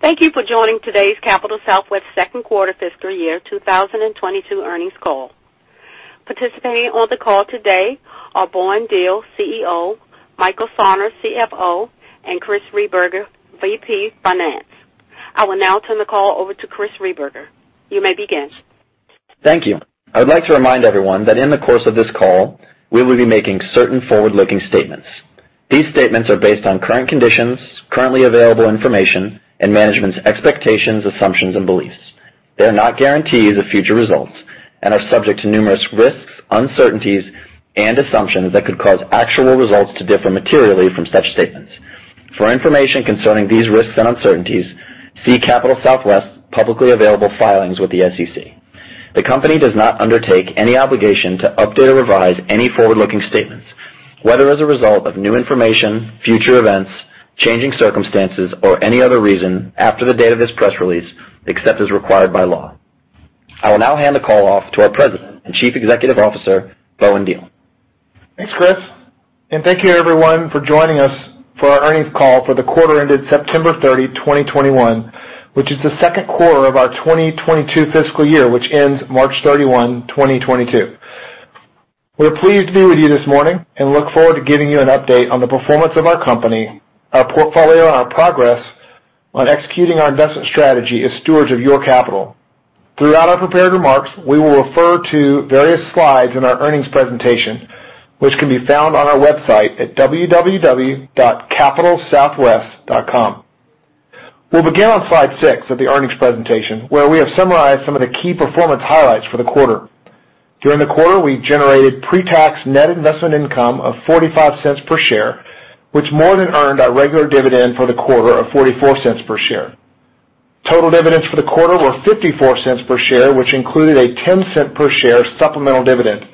Thank you for joining today's Capital Southwest second quarter fiscal year 2022 earnings call. Participating on the call today are Bowen Diehl, CEO, Michael Sarner, CFO, and Chris Rehberger, VP Finance. I will now turn the call over to Chris Rehberger. You may begin. Thank you. I'd like to remind everyone that in the course of this call, we will be making certain forward-looking statements. These statements are based on current conditions, currently available information, and management's expectations, assumptions, and beliefs. They are not guarantees of future results and are subject to numerous risks, uncertainties, and assumptions that could cause actual results to differ materially from such statements. For information concerning these risks and uncertainties, see Capital Southwest's publicly available filings with the SEC. The company does not undertake any obligation to update or revise any forward-looking statements, whether as a result of new information, future events, changing circumstances, or any other reason after the date of this press release, except as required by law. I will now hand the call off to our President and Chief Executive Officer, Bowen Diehl. Thanks, Chris, and thank you everyone for joining us for our earnings call for the quarter ended September 30, 2021, which is the second quarter of our 2022 fiscal year, which ends March 31, 2022. We're pleased to be with you this morning and look forward to giving you an update on the performance of our company, our portfolio, and our progress on executing our investment strategy as stewards of your capital. Throughout our prepared remarks, we will refer to various slides in our earnings presentation, which can be found on our website at www.capitalsouthwest.com. We'll begin on slide six of the earnings presentation, where we have summarized some of the key performance highlights for the quarter. During the quarter, we generated pre-tax net investment income of $0.45 per share, which more than earned our regular dividend for the quarter of $0.44 per share. Total dividends for the quarter were $0.54 per share, which included a $0.10 per share supplemental dividend.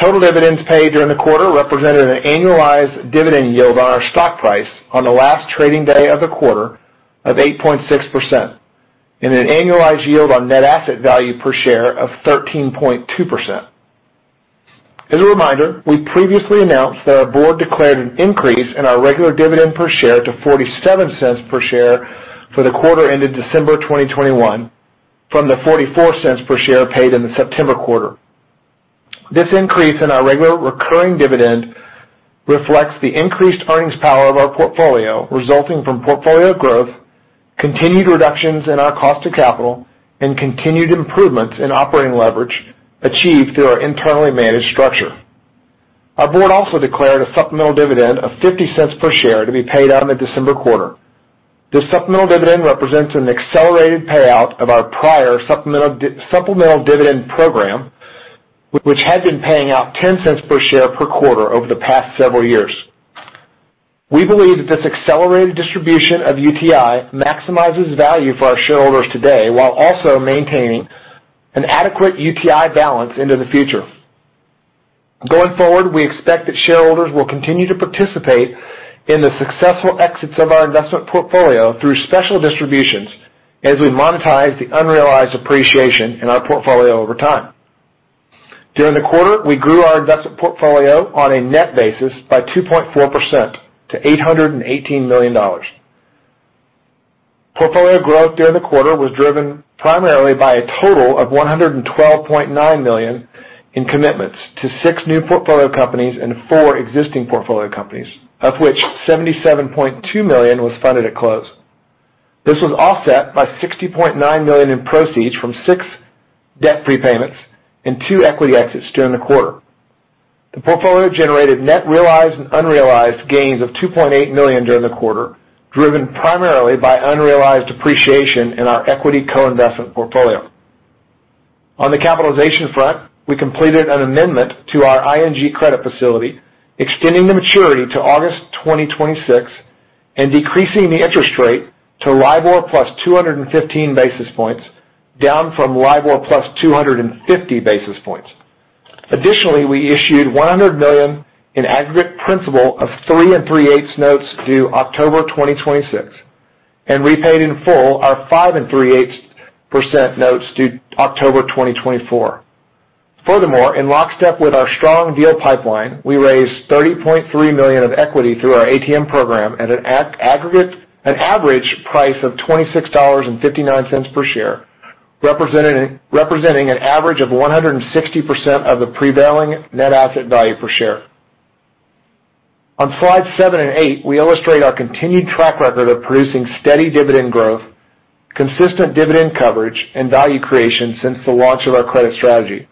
Total dividends paid during the quarter represented an annualized dividend yield on our stock price on the last trading day of the quarter of 8.6% and an annualized yield on net asset value per share of 13.2%. As a reminder, we previously announced that our board declared an increase in our regular dividend per share to $0.47 per share for the quarter ended December 2021 from the $0.44 per share paid in the September quarter. This increase in our regular recurring dividend reflects the increased earnings power of our portfolio resulting from portfolio growth, continued reductions in our cost to capital, and continued improvements in operating leverage achieved through our internally managed structure. Our board also declared a supplemental dividend of $0.50 per share to be paid out in the December quarter. This supplemental dividend represents an accelerated payout of our prior supplemental dividend program, which had been paying out $0.10 per share per quarter over the past several years. We believe that this accelerated distribution of UTI maximizes value for our shareholders today while also maintaining an adequate UTI balance into the future. Going forward, we expect that shareholders will continue to participate in the successful exits of our investment portfolio through special distributions as we monetize the unrealized appreciation in our portfolio over time. During the quarter, we grew our investment portfolio on a net basis by 2.4% to $818 million. Portfolio growth during the quarter was driven primarily by a total of $112.9 million in commitments to six new portfolio companies and four existing portfolio companies, of which $77.2 million was funded at close. This was offset by $60.9 million in proceeds from six debt prepayments and two equity exits during the quarter. The portfolio generated net realized and unrealized gains of $2.8 million during the quarter, driven primarily by unrealized appreciation in our equity co-investment portfolio. On the capitalization front, we completed an amendment to our ING credit facility, extending the maturity to August 2026 and decreasing the interest rate to LIBOR + 215 basis points, down from LIBOR + 250 basis points. Additionally, we issued $100 million in aggregate principal of 3.375% notes due October 2026 and repaid in full our 5.375% notes due October 2024. Furthermore, in lockstep with our strong deal pipeline, we raised $30.3 million of equity through our ATM program at an average price of $26.59 per share, representing an average of 160% of the prevailing net asset value per share. On slides seven and eight, we illustrate our continued track record of producing steady dividend growth, consistent dividend coverage, and value creation since the launch of our credit strategy.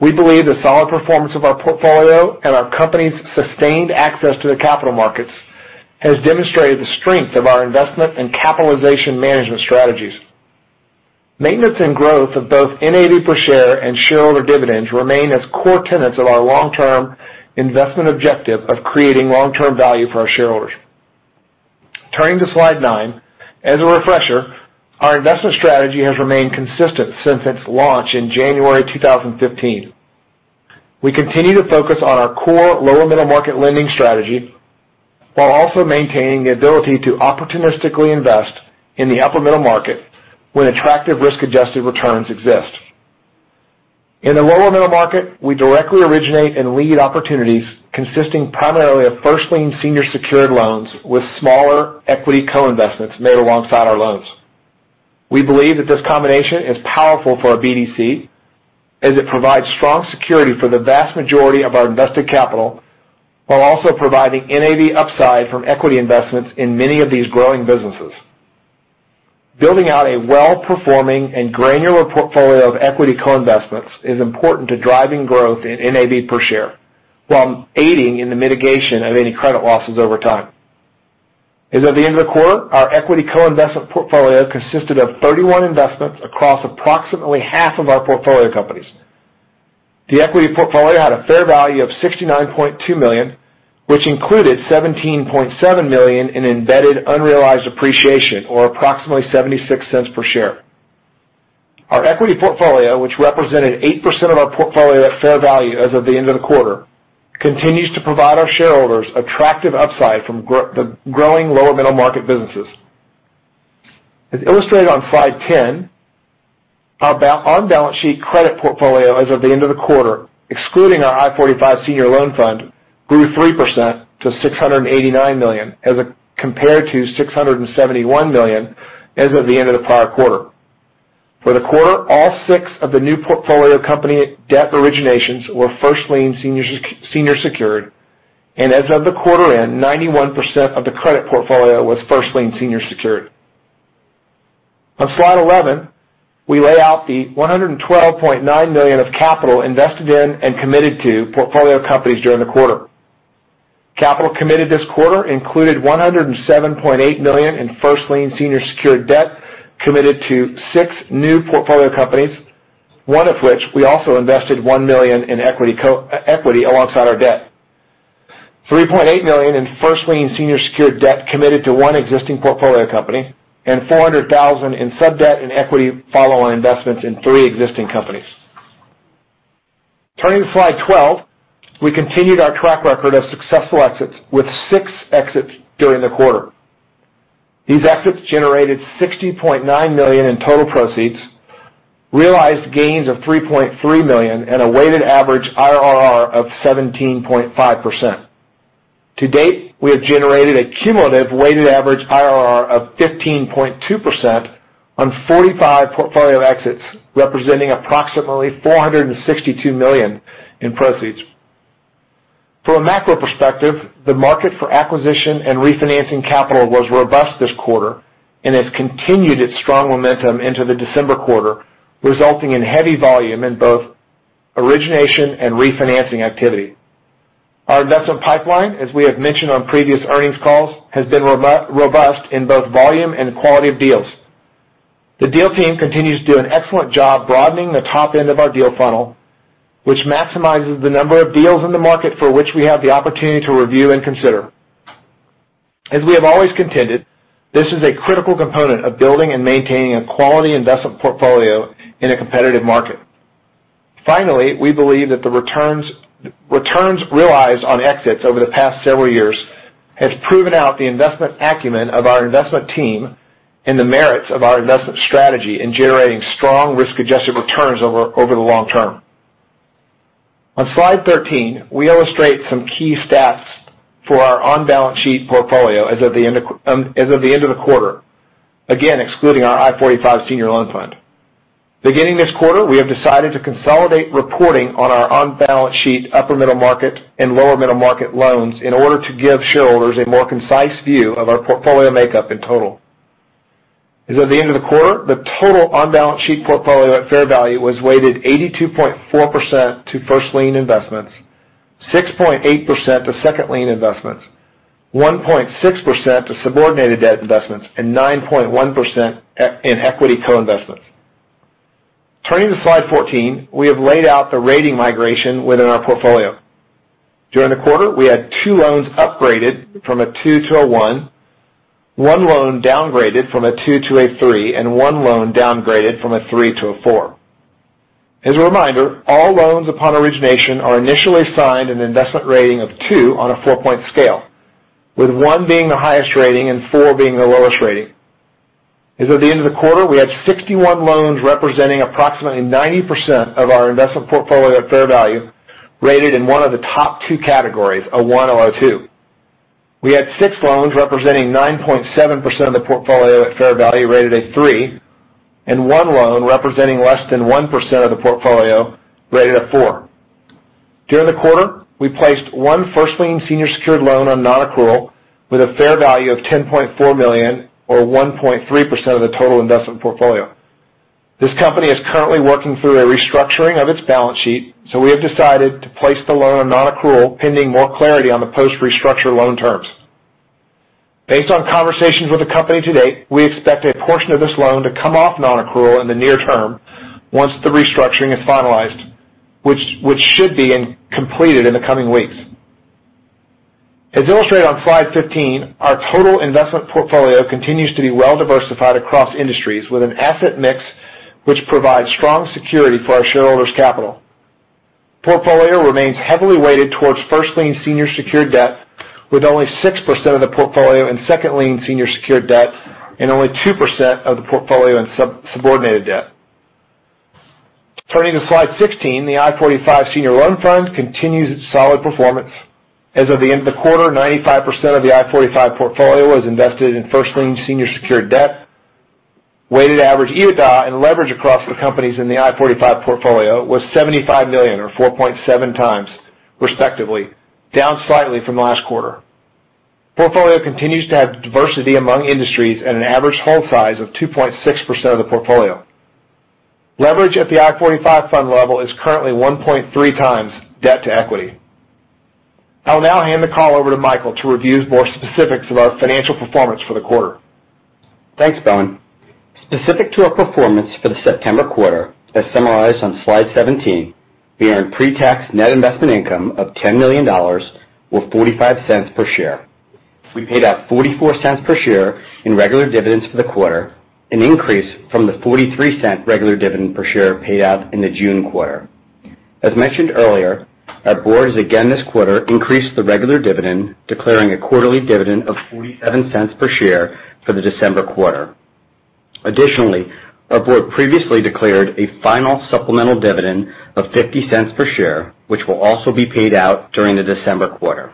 We believe the solid performance of our portfolio and our company's sustained access to the capital markets has demonstrated the strength of our investment and capitalization management strategies. Maintenance and growth of both NAV per share and shareholder dividends remain as core tenets of our long-term investment objective of creating long-term value for our shareholders. Turning to slide nine, as a refresher, our investment strategy has remained consistent since its launch in January 2015. We continue to focus on our core lower middle market lending strategy while also maintaining the ability to opportunistically invest in the upper middle market when attractive risk-adjusted returns exist. In the lower middle market, we directly originate and lead opportunities consisting primarily of first lien senior secured loans with smaller equity co-investments made alongside our loans. We believe that this combination is powerful for our BDC as it provides strong security for the vast majority of our invested capital while also providing NAV upside from equity investments in many of these growing businesses. Building out a well-performing and granular portfolio of equity co-investments is important to driving growth in NAV per share while aiding in the mitigation of any credit losses over time. As of the end of the quarter, our equity co-investment portfolio consisted of 31 investments across approximately half of our portfolio companies. The equity portfolio had a fair value of $69.2 million, which included $17.7 million in embedded unrealized appreciation, or approximately $0.76 per share. Our equity portfolio, which represented 8% of our portfolio at fair value as of the end of the quarter, continues to provide our shareholders attractive upside from the growing lower middle market businesses. As illustrated on slide 10, our balance sheet Credit Portfolio as of the end of the quarter, excluding our I-45 Senior Loan Fund, grew 3% to $689 million compared to $671 million as of the end of the prior quarter. For the quarter, all 6 of the new portfolio company debt originations were first lien senior secured. As of the quarter end, 91% of the Credit Portfolio was first lien senior secured. On slide 11, we lay out the $112.9 million of capital invested in and committed to portfolio companies during the quarter. Capital committed this quarter included $107.8 million in first lien senior secured debt, committed to 6 new portfolio companies, one of which we also invested $1 million in equity alongside our debt. $3.8 million in first lien senior secured debt committed to one existing portfolio company. $400,000 in sub-debt and equity follow-on investments in three existing companies. Turning to slide 12, we continued our track record of successful exits with six exits during the quarter. These exits generated $60.9 million in total proceeds, realized gains of $3.3 million and a weighted average IRR of 17.5%. To date, we have generated a cumulative weighted average IRR of 15.2% on 45 portfolio exits, representing approximately $462 million in proceeds. From a macro perspective, the market for acquisition and refinancing capital was robust this quarter and has continued its strong momentum into the December quarter, resulting in heavy volume in both origination and refinancing activity. Our investment pipeline, as we have mentioned on previous earnings calls, has been robust in both volume and quality of deals. The deal team continues to do an excellent job broadening the top end of our deal funnel, which maximizes the number of deals in the market for which we have the opportunity to review and consider. As we have always contended, this is a critical component of building and maintaining a quality investment portfolio in a competitive market. Finally, we believe that the returns realized on exits over the past several years has proven out the investment acumen of our investment team and the merits of our investment strategy in generating strong risk-adjusted returns over the long term. On slide 13, we illustrate some key stats for our on-balance sheet portfolio as of the end of the quarter. Again, excluding our I-45 Senior Loan Fund. Beginning this quarter, we have decided to consolidate reporting on our on-balance sheet upper middle market and lower middle market loans in order to give shareholders a more concise view of our portfolio makeup in total. As of the end of the quarter, the total on-balance sheet portfolio at fair value was weighted 82.4% to first lien investments, 6.8% to second lien investments, 1.6% to subordinated debt investments, and 9.1% in equity co-investments. Turning to slide 14, we have laid out the rating migration within our portfolio. During the quarter, we had two loans upgraded from a 2 to a 1, one loan downgraded from a 2 to a 3, and one loan downgraded from a 3 to a 4. As a reminder, all loans upon origination are initially assigned an investment rating of 2 on a 4-point scale, with 1 being the highest rating and 4 being the lowest rating. As of the end of the quarter, we had 61 loans representing approximately 90% of our investment portfolio at fair value rated in one of the top two categories, a 1 or a 2. We had six loans representing 9.7% of the portfolio at fair value rated a 3, and one loan representing less than 1% of the portfolio rated a 4. During the quarter, we placed 1 first lien senior secured loan on non-accrual with a fair value of $10.4 million or 1.3% of the total investment portfolio. This company is currently working through a restructuring of its balance sheet, so we have decided to place the loan on non-accrual pending more clarity on the post-restructure loan terms. Based on conversations with the company to date, we expect a portion of this loan to come off non-accrual in the near term once the restructuring is finalized, which should be completed in the coming weeks. As illustrated on slide 15, our total investment portfolio continues to be well diversified across industries with an asset mix which provides strong security for our shareholders' capital. Portfolio remains heavily weighted towards first lien senior secured debt, with only 6% of the portfolio in second lien senior secured debt and only 2% of the portfolio in subordinated debt. Turning to slide 16, the I-45 Senior Loan Fund continues its solid performance. As of the end of the quarter, 95% of the I-45 portfolio was invested in first lien senior secured debt. Weighted average EBITDA and leverage across the companies in the I-45 portfolio was $75 million or 4.7x respectively, down slightly from last quarter. Portfolio continues to have diversity among industries at an average hold size of 2.6% of the portfolio. Leverage at the I-45 fund level is currently 1.3x debt to equity. I'll now hand the call over to Michael to review more specifics of our financial performance for the quarter. Thanks, Bowen. Specific to our performance for the September quarter, as summarized on slide 17, we earned pre-tax net investment income of $10 million or $0.45 per share. We paid out $0.44 per share in regular dividends for the quarter, an increase from the $0.43 per share regular dividend paid out in the June quarter. As mentioned earlier, our board has again this quarter increased the regular dividend, declaring a quarterly dividend of $0.47 per share for the December quarter. Additionally, our board previously declared a final supplemental dividend of $0.50 per share, which will also be paid out during the December quarter.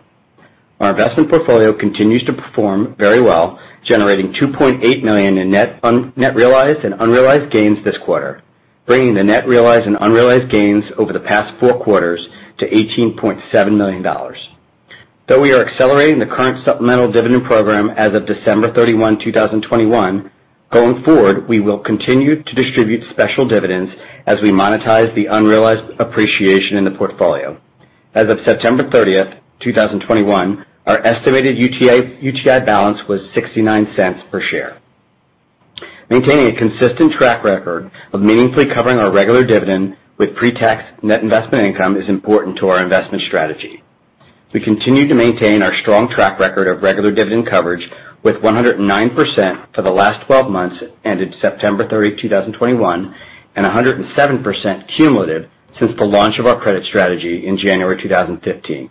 Our investment portfolio continues to perform very well, generating $2.8 million in net unrealized and realized gains this quarter, bringing the net realized and unrealized gains over the past four quarters to $18.7 million. Though we are accelerating the current supplemental dividend program as of December 31, 2021, going forward, we will continue to distribute special dividends as we monetize the unrealized appreciation in the portfolio. As of September 30th, 2021, our estimated UTI balance was $0.69 per share. Maintaining a consistent track record of meaningfully covering our regular dividend with pre-tax net investment income is important to our investment strategy. We continue to maintain our strong track record of regular dividend coverage with 109% for the last 12 months ended September 30, 2021, and 107% cumulative since the launch of our credit strategy in January 2015.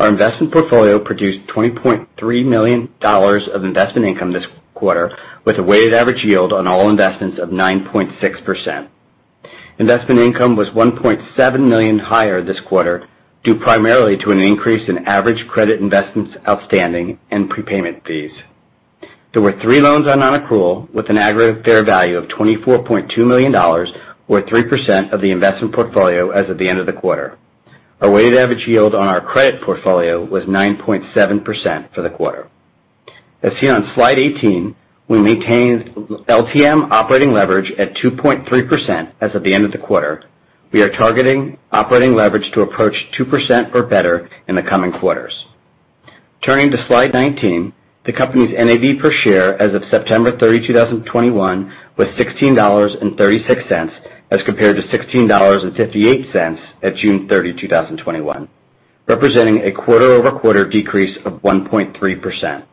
Our investment portfolio produced $20.3 million of investment income this quarter, with a weighted average yield on all investments of 9.6%. Investment income was $1.7 million higher this quarter, due primarily to an increase in average credit investments outstanding and prepayment fees. There were three loans on non-accrual with an aggregate fair value of $24.2 million or 3% of the investment portfolio as of the end of the quarter. Our weighted average yield on our Credit Portfolio was 9.7% for the quarter. As seen on slide 18, we maintained LTM operating leverage at 2.3% as of the end of the quarter. We are targeting operating leverage to approach 2% or better in the coming quarters. Turning to slide 19, the company's NAV per share as of September 30, 2021 was $16.36 as compared to $16.58 at June 30, 2021, representing a quarter-over-quarter decrease of 1.3%.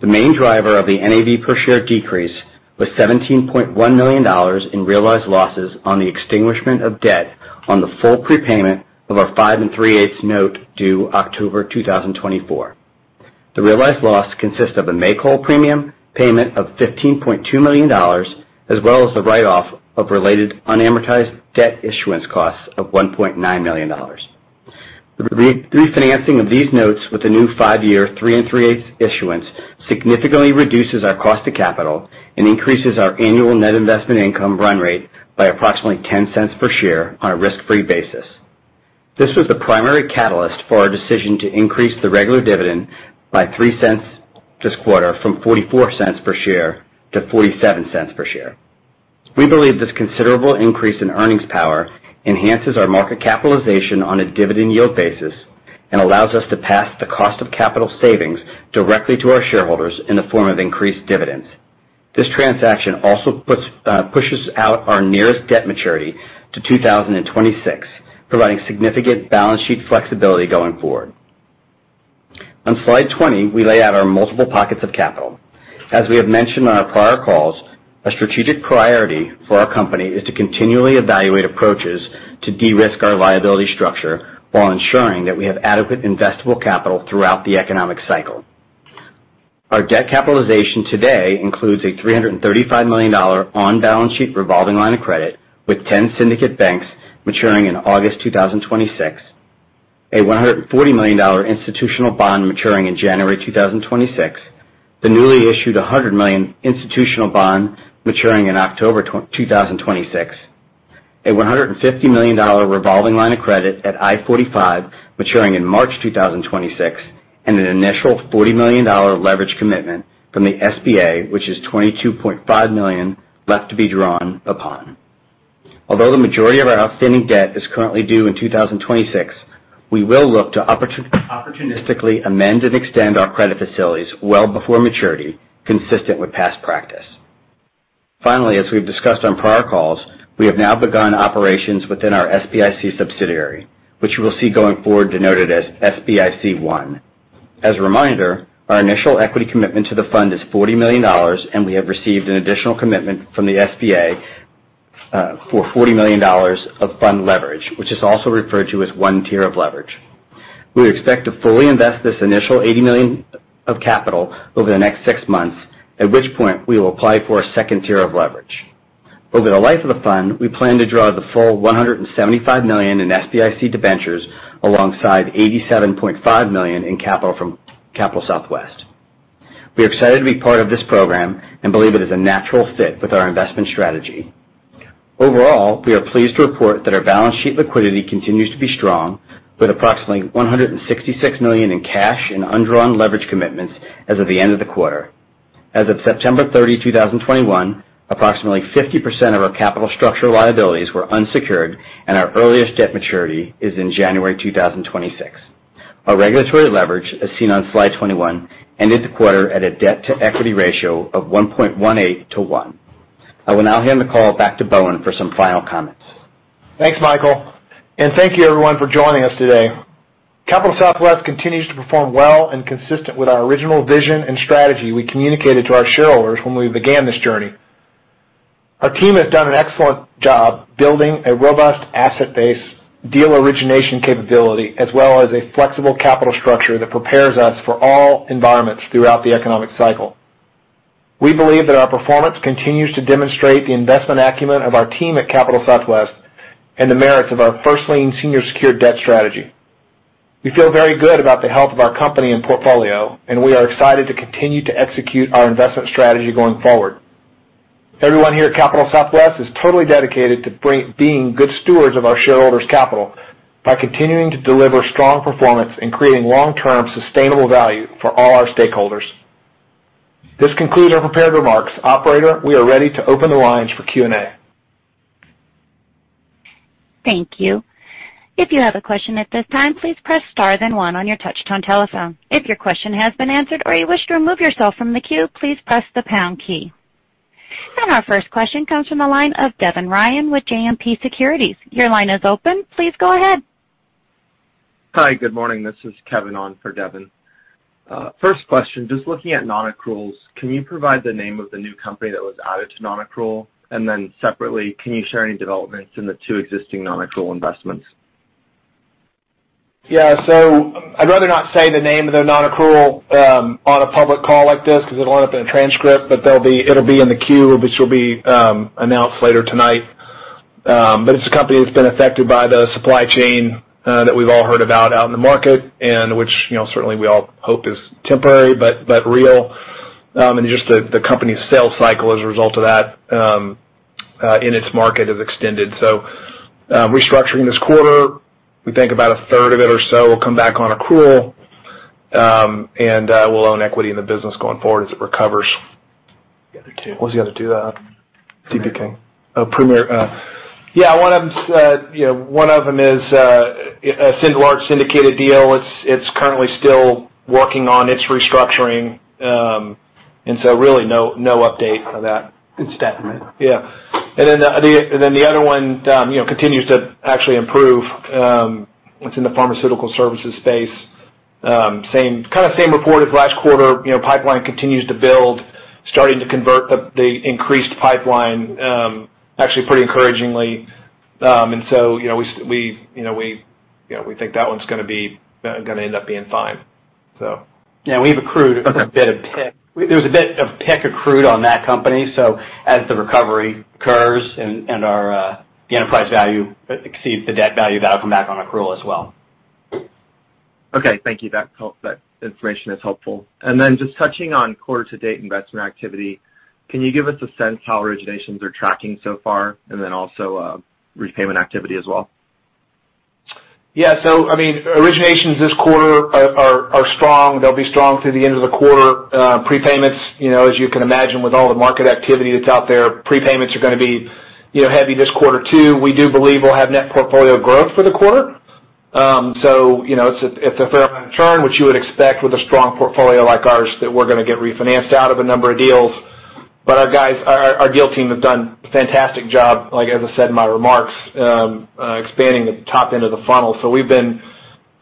The main driver of the NAV per share decrease was $17.1 million in realized losses on the extinguishment of debt on the full prepayment of our 5.375% note due October 2024. The realized loss consists of a make-whole premium payment of $15.2 million, as well as the write-off of related unamortized debt issuance costs of $1.9 million. Refinancing of these notes with a new 5-year 3.375% issuance significantly reduces our cost of capital and increases our annual net investment income run rate by approximately $0.10 per share on a risk-free basis. This was the primary catalyst for our decision to increase the regular dividend by $0.03 this quarter from $0.44 per share to $0.47 per share. We believe this considerable increase in earnings power enhances our market capitalization on a dividend yield basis and allows us to pass the cost of capital savings directly to our shareholders in the form of increased dividends. This transaction also pushes out our nearest debt maturity to 2026, providing significant balance sheet flexibility going forward. On slide 20, we lay out our multiple pockets of capital. As we have mentioned on our prior calls, a strategic priority for our company is to continually evaluate approaches to de-risk our liability structure while ensuring that we have adequate investable capital throughout the economic cycle. Our debt capitalization today includes a $335 million on-balance sheet revolving line of credit with 10 syndicate banks maturing in August 2026, a $140 million institutional bond maturing in January 2026, the newly issued $100 million institutional bond maturing in October 2026, a $150 million revolving line of credit at I-45 maturing in March 2026, and an initial $40 million leverage commitment from the SBA, which is $22.5 million left to be drawn upon. Although the majority of our outstanding debt is currently due in 2026, we will look to opportunistically amend and extend our credit facilities well before maturity, consistent with past practice. Finally, as we've discussed on prior calls, we have now begun operations within our SBIC subsidiary, which you will see going forward denoted as SBIC I. As a reminder, our initial equity commitment to the fund is $40 million, and we have received an additional commitment from the SBA for $40 million of fund leverage, which is also referred to as one tier of leverage. We expect to fully invest this initial $80 million of capital over the next six months, at which point we will apply for a second tier of leverage. Over the life of the fund, we plan to draw the full $175 million in SBIC debentures alongside $87.5 million in capital from Capital Southwest. We are excited to be part of this program and believe it is a natural fit with our investment strategy. Overall, we are pleased to report that our balance sheet liquidity continues to be strong with approximately $166 million in cash and undrawn leverage commitments as of the end of the quarter. As of September 30, 2021, approximately 50% of our capital structure liabilities were unsecured, and our earliest debt maturity is in January 2026. Our regulatory leverage, as seen on slide 21, ended the quarter at a debt-to-equity ratio of 1.18x to 1x. I will now hand the call back to Bowen for some final comments. Thanks, Michael, and thank you everyone for joining us today. Capital Southwest continues to perform well and consistent with our original vision and strategy we communicated to our shareholders when we began this journey. Our team has done an excellent job building a robust asset base deal origination capability as well as a flexible capital structure that prepares us for all environments throughout the economic cycle. We believe that our performance continues to demonstrate the investment acumen of our team at Capital Southwest and the merits of our first lien senior secured debt strategy. We feel very good about the health of our company and portfolio, and we are excited to continue to execute our investment strategy going forward. Everyone here at Capital Southwest is totally dedicated to being good stewards of our shareholders' capital by continuing to deliver strong performance and creating long-term sustainable value for all our stakeholders. This concludes our prepared remarks. Operator, we are ready to open the lines for Q&A. Our first question comes from the line of Devin Ryan with JMP Securities. Your line is open. Please go ahead. Hi. Good morning. This is [Kevin Steinke] on for Devin. First question, just looking at non-accruals, can you provide the name of the new company that was added to non-accrual? Then separately, can you share any developments in the two existing non-accrual investments? Yeah. I'd rather not say the name of the non-accrual on a public call like this because it'll end up in a transcript, but it'll be in the queue, which will be announced later tonight. It's a company that's been affected by the supply chain that we've all heard about out in the market and which, you know, certainly we all hope is temporary, but real. Just the company's sales cycle as a result of that in its market has extended. Restructuring this quarter, we think about a third of it or so will come back on accrual, and we'll own equity in the business going forward as it recovers. The other two. What's the other two? [Premier Kings]. Oh, Premier. Yeah, one of them is, you know, a large syndicated deal. It's currently still working on its restructuring, and really no update on that. It's debt, right? The other one, you know, continues to actually improve. It's in the pharmaceutical services space. Kinda same report as last quarter. You know, pipeline continues to build, starting to convert the increased pipeline, actually pretty encouragingly. You know, we think that one's gonna end up being fine. Yeah, we've accrued a bit of PIK. There's a bit of PIK accrued on that company. As the recovery occurs and the enterprise value exceeds the debt value, that'll come back on accrual as well. Okay. Thank you. That information is helpful. Just touching on quarter-to-date investment activity, can you give us a sense how originations are tracking so far and then also, repayment activity as well? Yeah. I mean, originations this quarter are strong. They'll be strong through the end of the quarter. Prepayments, you know, as you can imagine with all the market activity that's out there, prepayments are gonna be, you know, heavy this quarter too. We do believe we'll have net portfolio growth for the quarter. You know, it's a fair amount of churn, which you would expect with a strong portfolio like ours that we're gonna get refinanced out of a number of deals. Our guys, our deal team have done a fantastic job, like as I said in my remarks, expanding the top end of the funnel. We've been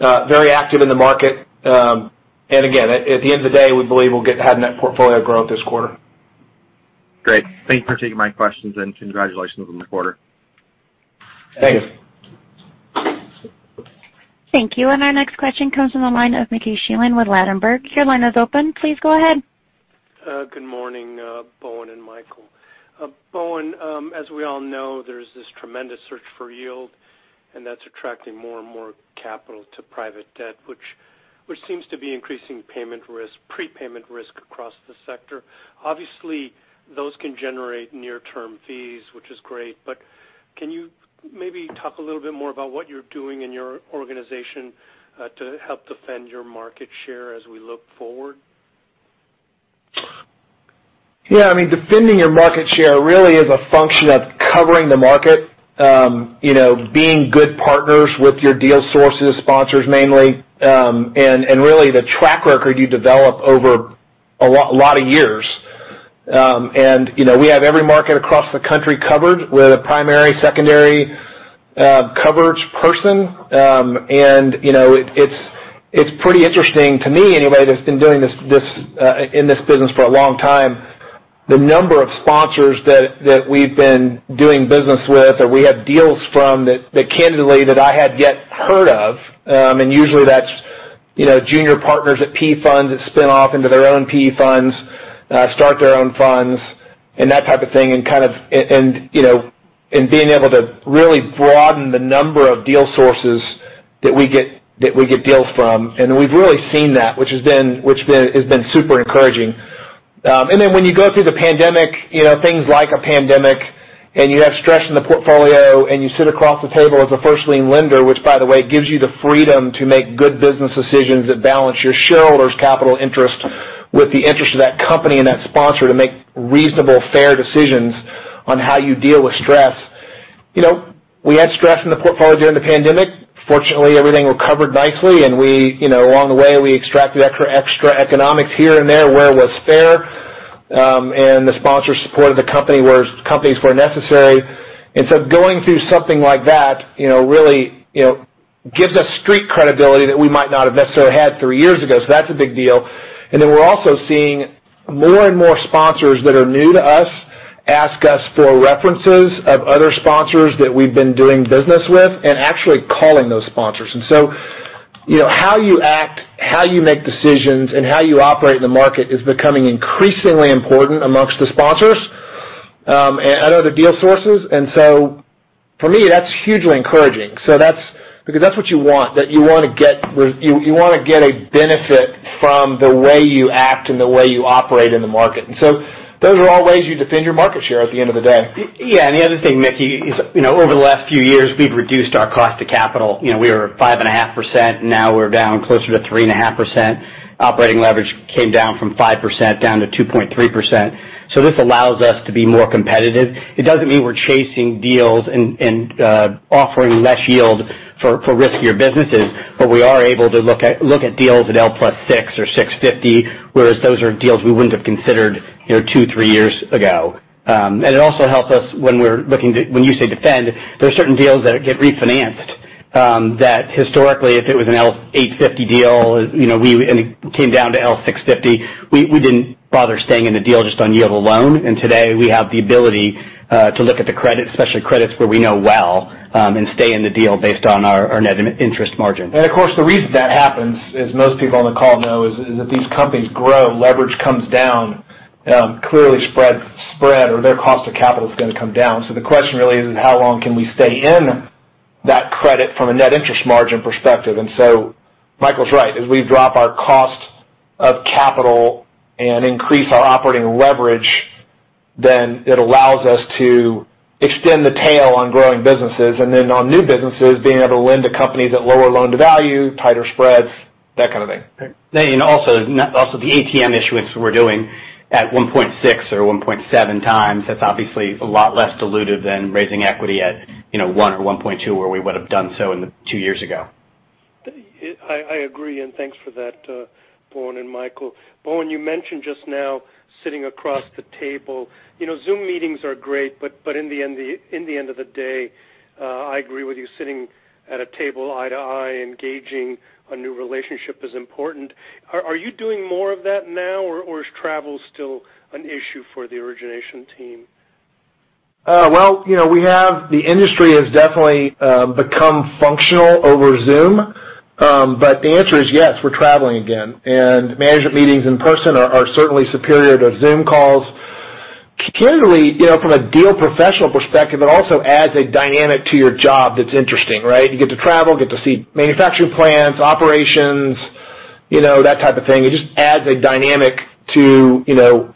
very active in the market. Again, at the end of the day, we believe we'll get to have net portfolio growth this quarter. Great. Thank you for taking my questions, and congratulations on the quarter. Thank you. Thank you. Thank you. Our next question comes from the line of Mickey Schleien with Ladenburg Thalmann. Your line is open. Please go ahead. Good morning, Bowen and Michael. Bowen, as we all know, there's this tremendous search for yield, and that's attracting more and more capital to private debt, which seems to be increasing payment risk, prepayment risk across the sector. Obviously, those can generate near-term fees, which is great. Can you maybe talk a little bit more about what you're doing in your organization, to help defend your market share as we look forward? Yeah, I mean, defending your market share really is a function of covering the market, you know, being good partners with your deal sources, sponsors mainly, and really the track record you develop over a lot of years. You know, we have every market across the country covered with a primary, secondary, coverage person. You know, it's pretty interesting to me anyway, that's been doing this in this business for a long time, the number of sponsors that we've been doing business with or we have deals from that candidly that I had yet heard of, and usually that's, you know, junior partners at PE funds that spin off into their own PE funds, start their own funds and that type of thing, and kind of. You know, being able to really broaden the number of deal sources that we get deals from. We've really seen that, which has been super encouraging. When you go through the pandemic, you know, things like a pandemic, and you have stress in the portfolio, and you sit across the table as a first lien lender, which by the way gives you the freedom to make good business decisions that balance your shareholders' capital interest with the interest of that company and that sponsor to make reasonable, fair decisions on how you deal with stress. You know, we had stress in the portfolio during the pandemic. Fortunately, everything recovered nicely, and we, you know, along the way, we extracted extra economics here and there where it was fair. The sponsors supported the company where companies were necessary. Going through something like that, you know, really, you know, gives us street credibility that we might not have necessarily had three years ago. That's a big deal. We're also seeing more and more sponsors that are new to us ask us for references of other sponsors that we've been doing business with and actually calling those sponsors. You know, how you act, how you make decisions, and how you operate in the market is becoming increasingly important amongst the sponsors and other deal sources. For me, that's hugely encouraging. That's because that's what you want, that you wanna get a benefit from the way you act and the way you operate in the market. Those are all ways you defend your market share at the end of the day. Yeah. The other thing, Mickey, is you know, over the last few years, we've reduced our cost of capital. You know, we were at 5.5%, now we're down closer to 3.5%. Operating leverage came down from 5% down to 2.3%. This allows us to be more competitive. It doesn't mean we're chasing deals and offering less yield for riskier businesses, but we are able to look at deals at L + 6.00% Or L + 6.50%, whereas those are deals we wouldn't have considered, you know, 2-3 years ago. It also helps us when you say defend. There are certain deals that get refinanced that historically, if it was an L + 8.50% deal, you know, it came down to L + 6.50%, we didn't bother staying in the deal just on yield alone. Today, we have the ability to look at the credit, especially credits where we know well, and stay in the deal based on our net interest margin. Of course, the reason that happens, as most people on the call know, is that these companies grow, leverage comes down, clearly spread or their cost of capital is gonna come down. The question really is how long can we stay in that credit from a net interest margin perspective? Michael's right. As we drop our cost of capital and increase our operating leverage, then it allows us to extend the tail on growing businesses. Then on new businesses, being able to lend to companies at lower loan-to-value, tighter spreads, that kind of thing. Also, the ATM issuance we're doing at 1.6x or 1.7x. That's obviously a lot less diluted than raising equity at, you know, 1x or 1.2x, where we would have done so in the two years ago. I agree, and thanks for that, Bowen and Michael. Bowen, you mentioned just now sitting across the table. You know, Zoom meetings are great, but in the end of the day, I agree with you, sitting at a table eye to eye, engaging a new relationship is important. Are you doing more of that now, or is travel still an issue for the origination team? Well, you know, the industry has definitely become functional over Zoom. The answer is yes, we're traveling again. Management meetings in person are certainly superior to Zoom calls. Generally, you know, from a deal professional perspective, it also adds a dynamic to your job that's interesting, right? You get to travel, get to see manufacturing plants, operations, you know, that type of thing. It just adds a dynamic to, you know,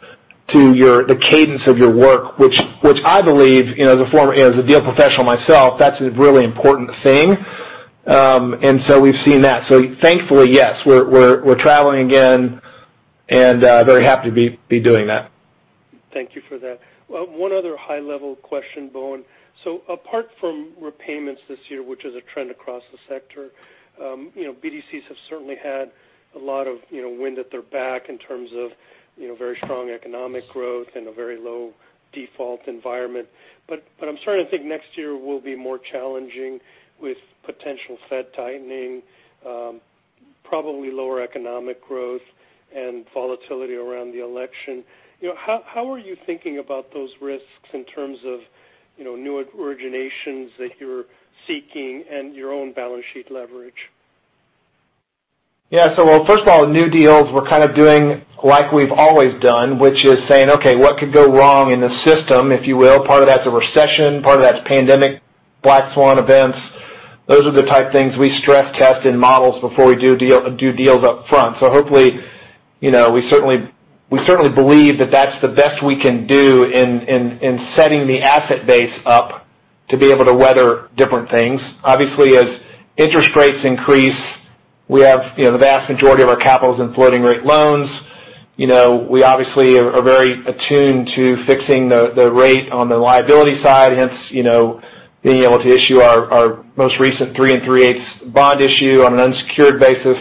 the cadence of your work, which I believe, you know, as a former deal professional myself, that's a really important thing. We've seen that. Thankfully, yes, we're traveling again and very happy to be doing that. Thank you for that. One other high-level question, Bowen. Apart from repayments this year, which is a trend across the sector, you know, BDCs have certainly had a lot of, you know, wind at their back in terms of, you know, very strong economic growth and a very low default environment. I'm starting to think next year will be more challenging with potential Fed tightening, probably lower economic growth, and volatility around the election. You know, how are you thinking about those risks in terms of, you know, new originations that you're seeking and your own balance sheet leverage? Yeah. First of all, new deals we're kind of doing like we've always done, which is saying, okay, what could go wrong in the system, if you will? Part of that's a recession, part of that's pandemic, Black Swan events. Those are the type of things we stress test in models before we do deals up front. Hopefully, you know, we certainly believe that that's the best we can do in setting the asset base up to be able to weather different things. Obviously, as interest rates increase, we have, you know, the vast majority of our capital is in floating-rate loans You know, we obviously are very attuned to fixing the rate on the liability side, hence, you know, being able to issue our most recent 3.375% bond issue on an unsecured basis.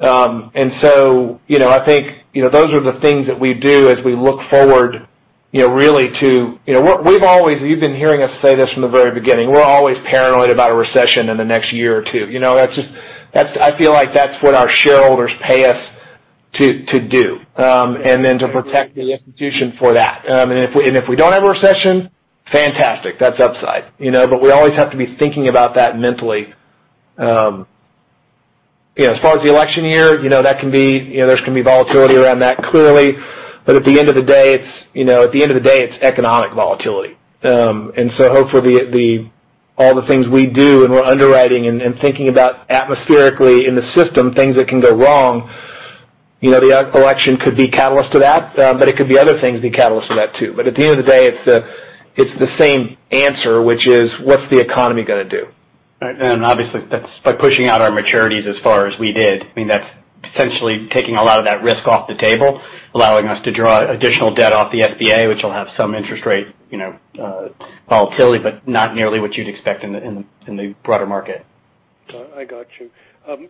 I think, you know, those are the things that we do as we look forward, you know, really to. You know, we've always, you've been hearing us say this from the very beginning. We're always paranoid about a recession in the next year or two. You know, that's what our shareholders pay us to do, and then to protect the institution for that. If we don't have a recession, fantastic, that's upside. You know? We always have to be thinking about that mentally. You know, as far as the election year, you know, that can be, you know, there's gonna be volatility around that, clearly. At the end of the day, it's, you know, at the end of the day, it's economic volatility. Hopefully, all the things we do and we're underwriting and thinking about atmospherically in the system, things that can go wrong, you know, the election could be catalyst to that, but it could be other things be catalyst to that too. At the end of the day, it's the, it's the same answer, which is what's the economy gonna do? Right. Obviously, that's by pushing out our maturities as far as we did. I mean, that's essentially taking a lot of that risk off the table, allowing us to draw additional debt off the SBA, which will have some interest rate, you know, volatility, but not nearly what you'd expect in the broader market. I got you.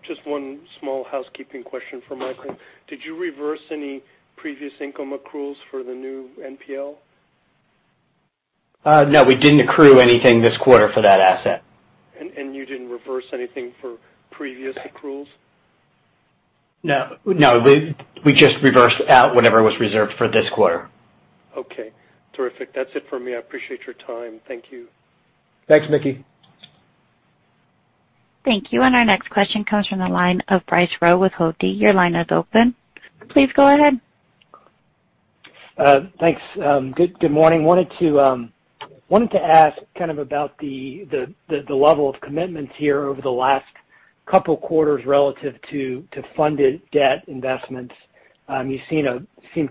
Just one small housekeeping question for Michael. Did you reverse any previous income accruals for the new NPL? No, we didn't accrue anything this quarter for that asset. you didn't reverse anything for previous accruals? No. We just reversed out whatever was reserved for this quarter. Okay. Terrific. That's it for me. I appreciate your time. Thank you. Thanks, Mickey. Thank you. Our next question comes from the line of Bryce Rowe with Hovde Group. Your line is open. Please go ahead. Thanks. Good morning. I wanted to ask kind of about the level of commitments here over the last couple quarters relative to funded debt investments. You've seen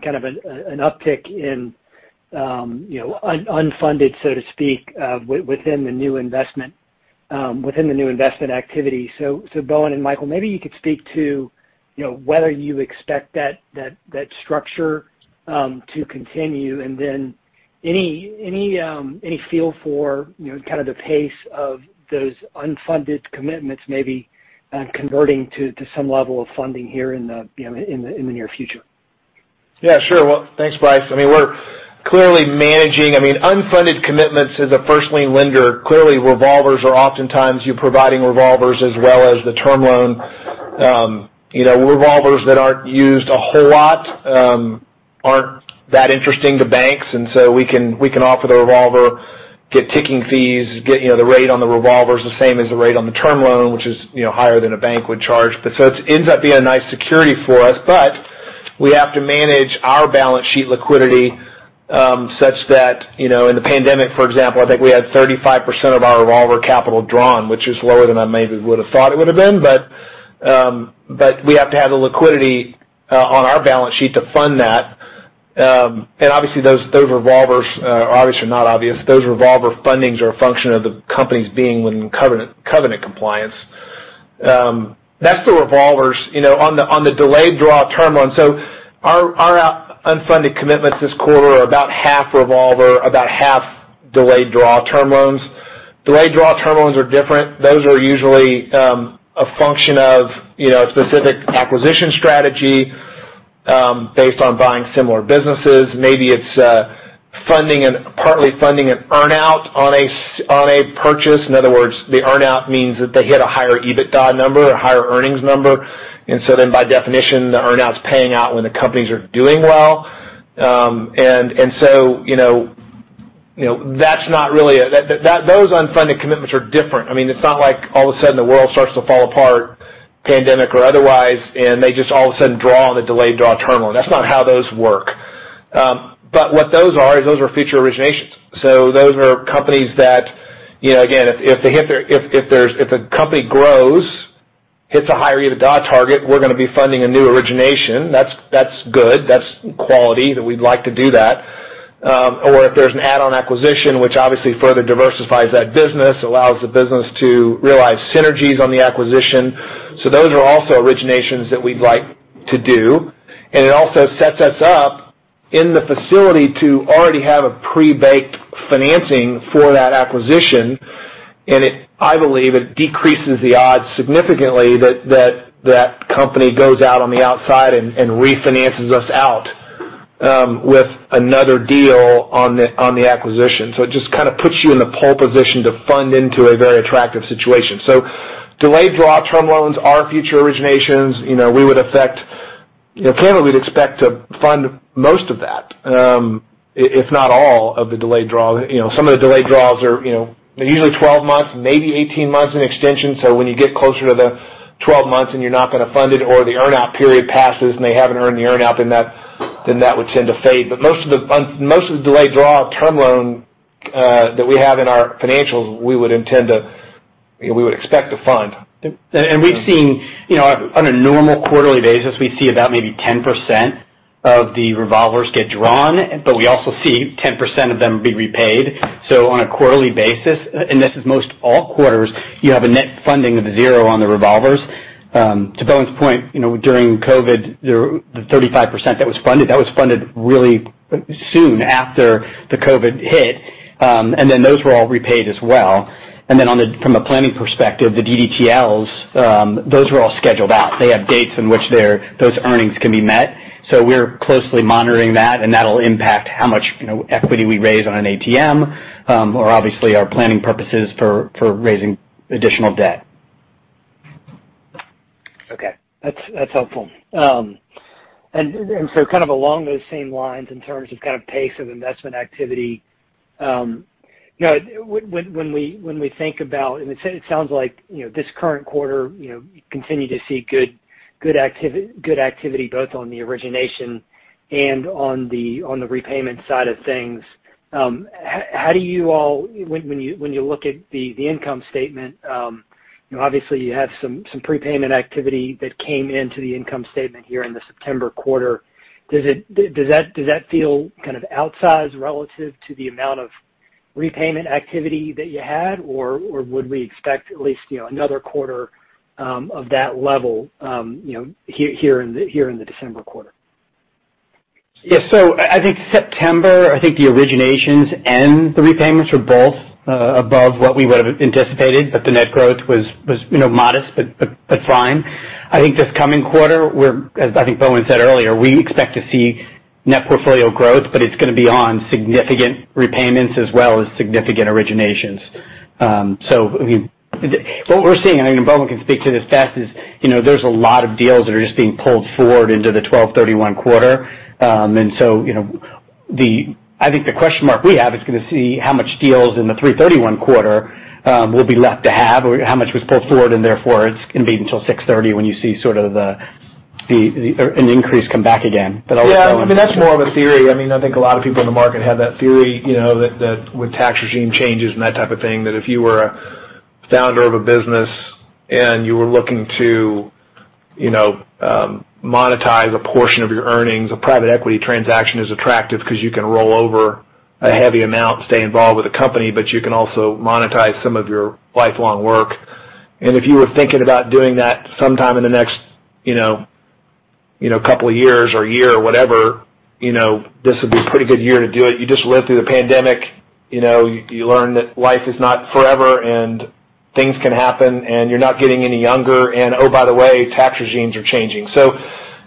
kind of an uptick in, you know, unfunded, so to speak, within the new investment activity. Bowen and Michael, maybe you could speak to, you know, whether you expect that structure to continue, and then any feel for, you know, kind of the pace of those unfunded commitments maybe converting to some level of funding here in the near future. Yeah, sure. Well, thanks, Bryce. I mean, we're clearly managing, I mean, unfunded commitments as a first lien lender. Clearly, revolvers are oftentimes you're providing revolvers as well as the term loan. You know, revolvers that aren't used a whole lot aren't that interesting to banks, and so we can offer the revolver, get ticking fees, get, you know, the rate on the revolvers the same as the rate on the term loan, which is, you know, higher than a bank would charge. It ends up being a nice security for us, but we have to manage our balance sheet liquidity, such that, you know, in the pandemic, for example, I think we had 35% of our revolver capital drawn, which is lower than I maybe would've thought it would've been, but we have to have the liquidity on our balance sheet to fund that. And obviously, those revolvers, obvious or not obvious, those revolver fundings are a function of the companies being within covenant compliance. That's the revolvers. You know, on the delayed draw term loan. So our unfunded commitments this quarter are about half revolver, about half delayed draw term loans. Delayed draw term loans are different. Those are usually a function of, you know, a specific acquisition strategy, based on buying similar businesses. Maybe it's partly funding an earn-out on a purchase. In other words, the earn-out means that they hit a higher EBITDA number or higher earnings number. By definition, the earn-out's paying out when the companies are doing well. You know, those unfunded commitments are different. I mean, it's not like all of a sudden the world starts to fall apart, pandemic or otherwise, and they just all of a sudden draw on the delayed draw term loan. That's not how those work. What those are is future originations. Those are companies that, you know, again, if the company grows, hits a higher EBITDA target, we're gonna be funding a new origination. That's good, that's quality that we'd like to do that. Or if there's an add-on acquisition, which obviously further diversifies that business, allows the business to realize synergies on the acquisition. Those are also originations that we'd like to do. It also sets us up in the facility to already have a pre-baked financing for that acquisition. It I believe it decreases the odds significantly that that company goes out on the outside and refinances us out with another deal on the acquisition. It just kinda puts you in the pole position to fund into a very attractive situation. Delayed draw term loans are future originations. Clearly, we'd expect to fund most of that, if not all of the delayed draw. You know, some of the delayed draws are, you know, usually 12 months, maybe 18 months in extension. When you get closer to the 12 months and you're not gonna fund it or the earn-out period passes and they haven't earned the earn-out, then that would tend to fade. Most of the delayed draw term loan that we have in our financials, we would intend to, you know, we would expect to fund. We've seen, you know, on a normal quarterly basis, we see about maybe 10% of the revolvers get drawn, but we also see 10% of them be repaid. On a quarterly basis, and this is most all quarters, you have a net funding of zero on the revolvers. To Bowen's point, you know, during COVID, the 35% that was funded, that was funded really soon after the COVID hit. Then those were all repaid as well. From a planning perspective, the DDTLs, those were all scheduled out. They have dates in which their, those earnings can be met. We're closely monitoring that, and that'll impact how much, you know, equity we raise on an ATM, or obviously our planning purposes for raising additional debt. Okay. That's helpful. Kind of along those same lines in terms of kind of pace of investment activity, you know, when we think about it. It sounds like, you know, this current quarter, you know, you continue to see good activity both on the origination and on the repayment side of things. When you look at the income statement, you know, obviously you have some prepayment activity that came into the income statement here in the September quarter. Does that feel kind of outsized relative to the amount of repayment activity that you had, or would we expect at least, you know, another quarter of that level, you know, here in the December quarter? Yeah. I think September, the originations and the repayments were both above what we would've anticipated, but the net growth was, you know, modest, but fine. I think this coming quarter, as I think Bowen said earlier, we expect to see net portfolio growth, but it's gonna be on significant repayments as well as significant originations. I mean, what we're seeing, and I think Bowen can speak to this best, is, you know, there's a lot of deals that are just being pulled forward into the 12/31 quarter. I think the question mark we have is gonna see how much deals in the 3/31 quarter will be left over or how much was pulled forward, and therefore it's gonna be until 6/30 when you see sort of or an increase come back again. I'll let Bowen Yeah. I mean, that's more of a theory. I mean, I think a lot of people in the market have that theory, you know, that with tax regime changes and that type of thing, that if you were a founder of a business and you were looking to, you know, monetize a portion of your earnings, a private equity transaction is attractive because you can roll over a heavy amount, stay involved with the company, but you can also monetize some of your lifelong work. If you were thinking about doing that sometime in the next, you know, couple of years or year or whatever, you know, this would be a pretty good year to do it. You just lived through the pandemic. You know, you learn that life is not forever and things can happen and you're not getting any younger. Oh, by the way, tax regimes are changing.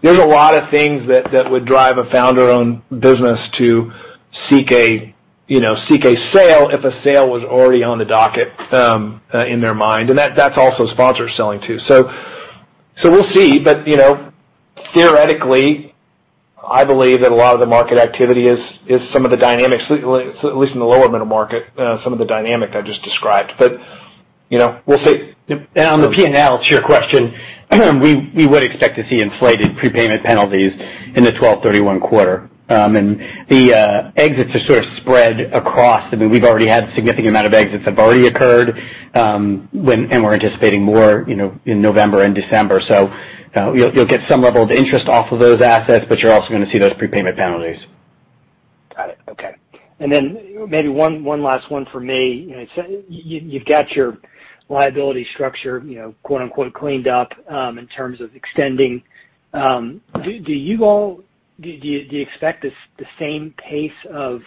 There's a lot of things that would drive a founder-owned business to seek a, you know, seek a sale if a sale was already on the docket in their mind. That's also sponsors selling too. We'll see. You know, theoretically, I believe that a lot of the market activity is some of the dynamics, at least in the lower middle market, some of the dynamic I just described. You know, we'll see. On the P&L, to your question, we would expect to see inflated prepayment penalties in the 12/31 quarter. The exits are sort of spread across. I mean, we've already had a significant amount of exits that have already occurred, and we're anticipating more, you know, in November and December. You'll get some level of interest off of those assets, but you're also gonna see those prepayment penalties. Got it. Okay. Maybe one last one for me. You know, so you've got your liability structure, you know, quote, unquote, "cleaned up," in terms of extending. Do you all expect the same pace of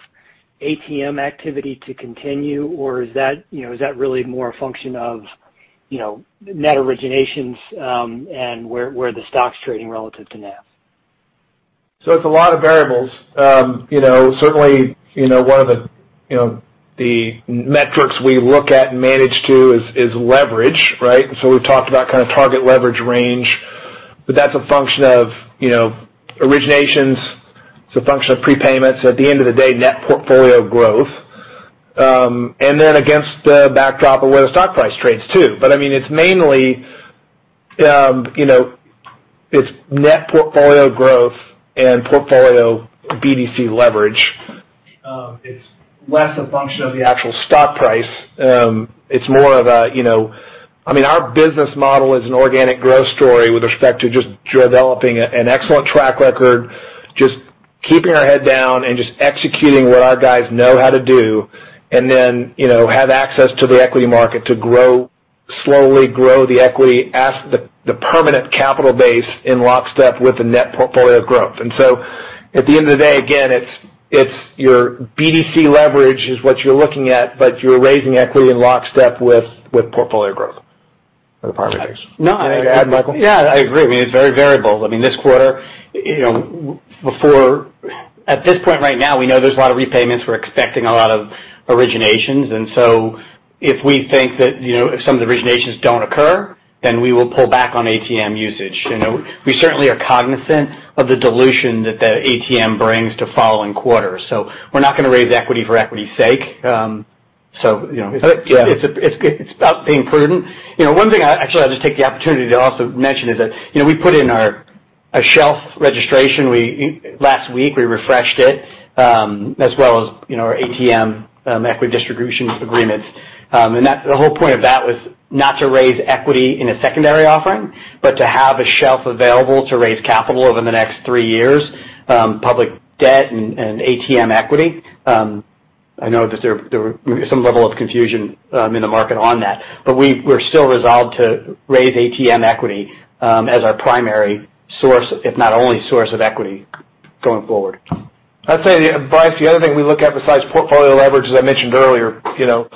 ATM activity to continue, or is that, you know, is that really more a function of, you know, net originations and where the stock's trading relative to now? It's a lot of variables. You know, certainly, you know, one of the, you know, the metrics we look at and manage to is leverage, right? We've talked about kind of target leverage range, but that's a function of, you know, originations. It's a function of prepayments. At the end of the day, net portfolio growth. Against the backdrop of where the stock price trades too. I mean, it's mainly, you know, it's net portfolio growth and portfolio BDC leverage. It's less a function of the actual stock price. It's more of a, you know I mean, our business model is an organic growth story with respect to just developing an excellent track record, just keeping our head down and just executing what our guys know how to do. You know, have access to the equity market to grow, slowly grow the equity, as the permanent capital base in lockstep with the net portfolio growth. At the end of the day, again, it's your BDC leverage is what you're looking at, but you're raising equity in lockstep with portfolio growth for the partners. No, I mean. Anything to add, Michael? Yeah, I agree. I mean, it's very variable. I mean, this quarter, you know, at this point right now, we know there's a lot of repayments. We're expecting a lot of originations. If we think that, you know, if some of the originations don't occur, then we will pull back on ATM usage. You know, we certainly are cognizant of the dilution that the ATM brings to following quarters. We're not gonna raise equity for equity's sake. Yeah. It's about being prudent. You know, one thing actually, I'll just take the opportunity to also mention is that, you know, we put in our a shelf registration. Last week, we refreshed it, as well as, you know, our ATM equity distributions agreements. And that the whole point of that was not to raise equity in a secondary offering, but to have a shelf available to raise capital over the next three years, public debt and ATM equity. I know that there may be some level of confusion in the market on that, but we're still resolved to raise ATM equity as our primary source, if not only source of equity going forward. I'd say, Bryce, the other thing we look at besides portfolio leverage, as I mentioned earlier, you know,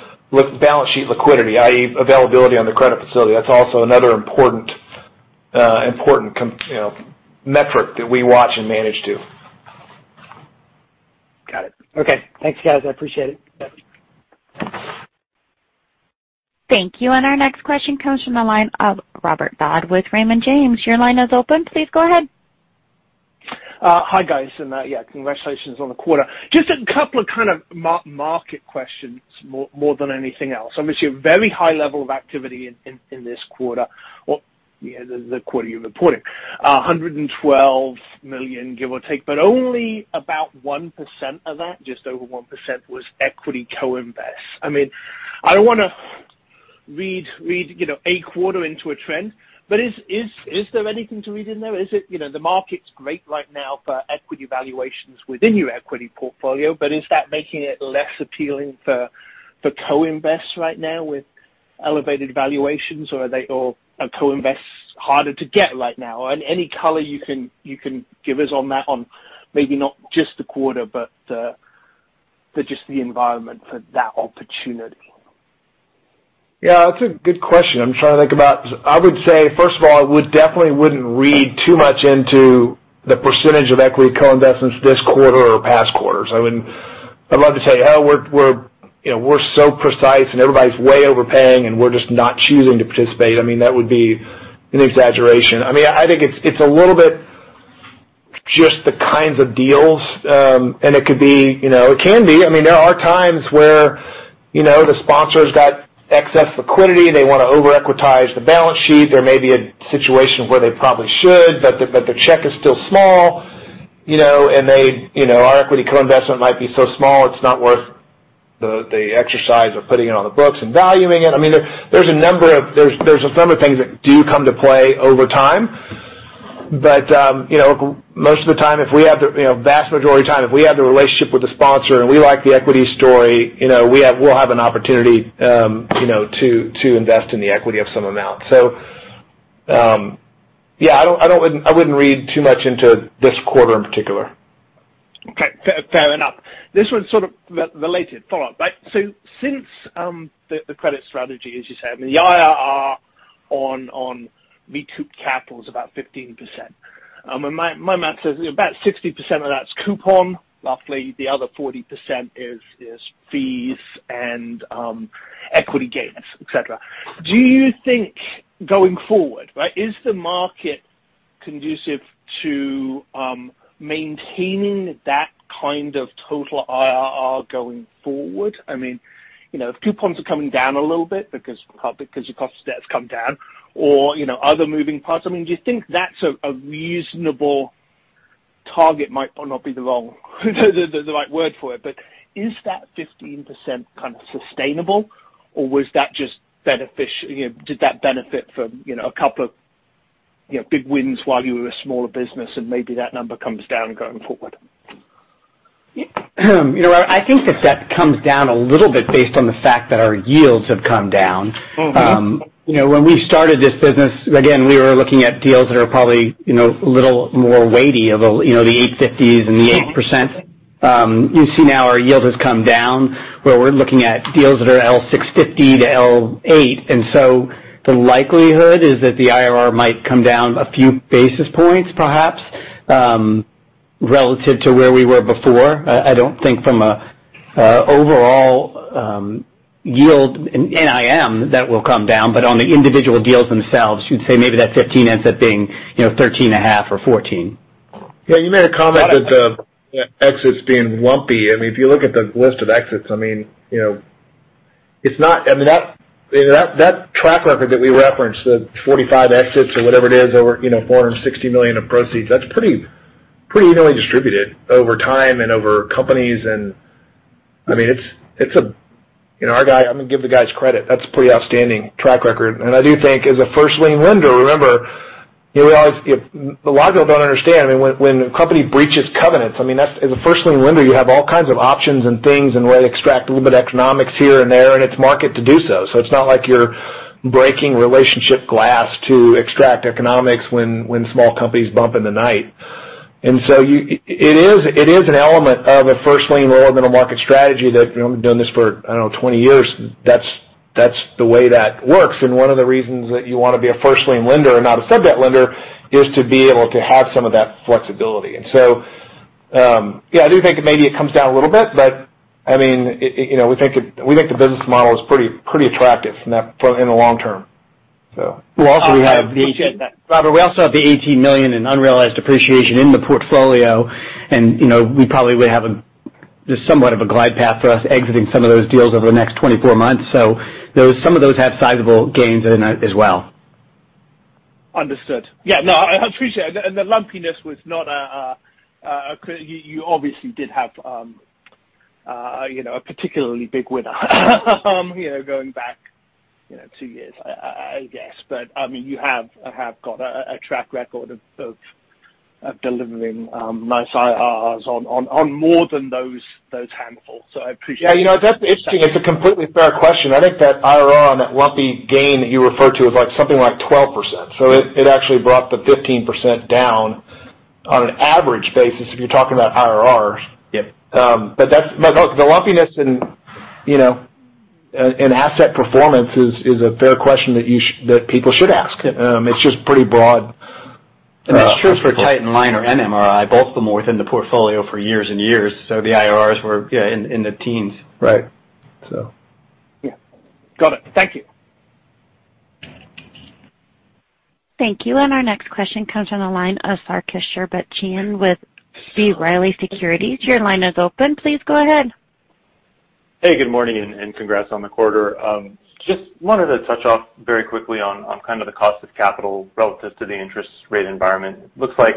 balance sheet liquidity, i.e., availability on the credit facility. That's also another important you know, metric that we watch and manage to. Got it. Okay. Thanks guys. I appreciate it. Thank you. Our next question comes from the line of Robert Dodd with Raymond James. Your line is open. Please go ahead. Hi, guys, congratulations on the quarter. Just a couple of kind of market questions more than anything else. Obviously, a very high level of activity in this quarter, the quarter you reported. $112 million, give or take, but only about 1% of that, just over 1% was equity co-invest. I mean, I don't wanna read, you know, a quarter into a trend, but is there anything to read in there? Is it. You know, the market's great right now for equity valuations within your equity portfolio, but is that making it less appealing for co-invest right now with elevated valuations or are they all. Are co-invest harder to get right now? Any color you can give us on that on maybe not just the quarter, but just the environment for that opportunity? Yeah, that's a good question. I'm trying to think about I would say, first of all, I would definitely wouldn't read too much into the percentage of equity co-investments this quarter or past quarters. I wouldn't. I'd love to tell you, "Oh, we're, you know, we're so precise and everybody's way overpaying and we're just not choosing to participate." I mean, that would be an exaggeration. I mean, I think it's a little bit just the kinds of deals, and it could be, you know, it can be. I mean, there are times where, you know, the sponsor's got excess liquidity. They wanna over-equitize the balance sheet. There may be a situation where they probably should, but the check is still small, you know, and they, you know, our equity co-investment might be so small, it's not worth the exercise of putting it on the books and valuing it. I mean, there's a number of things that do come into play over time. You know, most of the time, vast majority of time, if we have the relationship with the sponsor and we like the equity story, you know, we'll have an opportunity, you know, to invest in the equity of some amount. Yeah, I wouldn't read too much into this quarter in particular. Fair enough. This one's sort of re-related follow-up. Since the credit strategy, as you said, I mean, the IRR on V2 capital is about 15%. My math says about 60% of that is coupon, roughly the other 40% is fees and equity gains, et cetera. Do you think going forward, right, is the market conducive to maintaining that kind of total IRR going forward? I mean, you know, if coupons are coming down a little bit because your cost of debt has come down or, you know, other moving parts, I mean, do you think that's a reasonable target? Might or not be the wrong, the right word for it, but is that 15% kind of sustainable, or was that just benefit? You know, did that benefit from, you know, a couple of, you know, big wins while you were a smaller business and maybe that number comes down going forward? You know, I think the debt comes down a little bit based on the fact that our yields have come down. Mm-hmm. You know, when we started this business, again, we were looking at deals that are probably, you know, a little more weighty of a, you know, the 8.50s and the 8%. You see now our yield has come down, where we're looking at deals that are L + 6.50 to L + 8.00. The likelihood is that the IRR might come down a few basis points, perhaps, relative to where we were before. I don't think from an overall yield NIM that will come down. On the individual deals themselves, you'd say maybe that 15% ends up being, you know, 13.5% or 14%. Yeah. You made a comment that the exits being lumpy. I mean, if you look at the list of exits, I mean, you know, it's not. I mean, that track record that we referenced, the 45 exits or whatever it is, over $460 million of proceeds, that's pretty evenly distributed over time and over companies. I mean, it's a. You know, our guy, I'm gonna give the guys credit. That's pretty outstanding track record. I do think as a first lien lender, remember, you know, we always. A lot of people don't understand. I mean, when a company breaches covenants, I mean, that's. As a first lien lender, you have all kinds of options and things and way to extract a little bit of economics here and there, and it's market to do so. It's not like you're breaking relationship glass to extract economics when small companies bump in the night. It is an element of a first lien role in a market strategy that, you know, we've been doing this for, I don't know, 20 years. That's the way that works. One of the reasons that you wanna be a first lien lender and not a sub debt lender is to be able to have some of that flexibility. Yeah, I do think maybe it comes down a little bit, but I mean, it you know, we think the business model is pretty attractive in that for, in the long term. We'll also have the Robert, we also have the $18 million in unrealized appreciation in the portfolio. You know, we probably would have just somewhat of a glide path for us exiting some of those deals over the next 24 months. Those, some of those have sizable gains in there as well. Understood. Yeah. No, I appreciate it. You obviously did have, you know, a particularly big winner, you know, going back, you know, two years, I guess. I mean, you have got a track record of delivering nice IRRs on more than those handful. I appreciate that. Yeah. You know, that's interesting. It's a completely fair question. I think that IRR on that lumpy gain that you referred to is like something like 12%. It actually brought the 15% down on an average basis if you're talking about IRRs. Yeah. The lumpiness in, you know, in asset performance is a fair question that people should ask. It's just pretty broad. That's true for TitanLiner and MRI, both of them were within the portfolio for years and years, so the IRRs were, yeah, in the teens. Right. Yeah. Got it. Thank you. Thank you. Our next question comes from the line of Sarkis Sherbetchyan with B. Riley Securities. Your line is open. Please go ahead. Hey, good morning, and congrats on the quarter. Just wanted to touch on very quickly on kind of the cost of capital relative to the interest rate environment. Looks like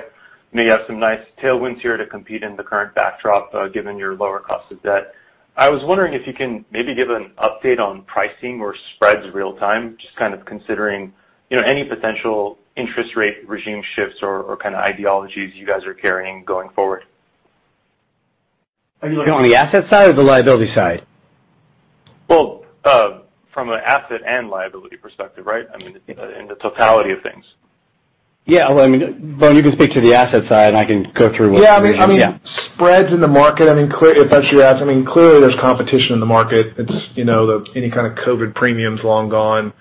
you may have some nice tailwinds here to compete in the current backdrop, given your lower cost of debt. I was wondering if you can maybe give an update on pricing or spreads real-time, just kind of considering, you know, any potential interest rate regime shifts or kind of ideologies you guys are carrying going forward. Are you looking on the asset side or the liability side? Well, from an asset and liability perspective, right? I mean, in the totality of things. Yeah. Well, I mean, Bowen, you can speak to the asset side, and I can go through what- Yeah. I mean, spreads in the market. I mean, clearly, if that's your ask, clearly there's competition in the market. It's you know any kind of COVID premiums long gone.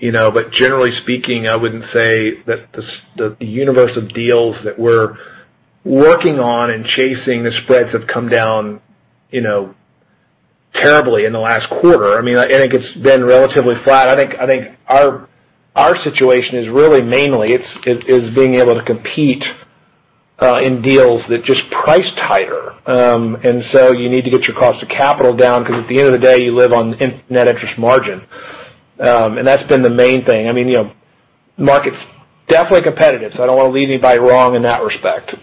You know, generally speaking, I wouldn't say that the universe of deals that we're working on and chasing the spreads have come down terribly in the last quarter. You know, I mean, I think it's been relatively flat. I think our situation is really mainly it is being able to compete in deals that just priced tighter. So you need to get your cost of capital down because at the end of the day, you live on net interest margin. That's been the main thing. I mean, you know, market's definitely competitive, so I don't wanna lead anybody wrong in that respect.